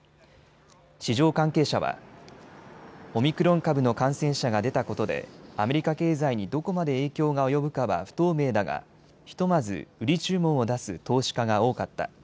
市場関係者はオミクロン株の感染者が出たことでアメリカ経済にどこまで影響が及ぶかは不透明だがひとまず売り注文を出す投資家が多かった。